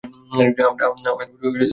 আমার তোমাকে দরকার নেই!